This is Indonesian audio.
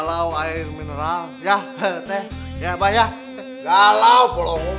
lalu air mineral ya ya banyak galau polong duduk